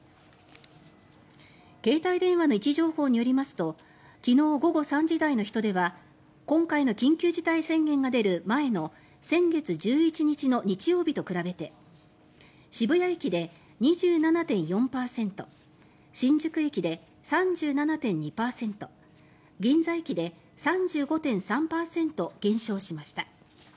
携帯電話の位置情報によりますと昨日午後３時台の人出は今回の緊急事態宣言が出る前の先月１１日の日曜日と比べて渋谷駅で２７．４％新宿駅で３７．２％銀座駅で３５．３％減少しました。